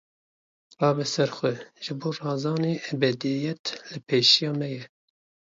Rabe ser xwe, ji bo razanê ebediyet li pêşiya me ye!